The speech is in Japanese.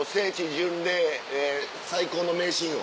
巡礼最高の名シーンを。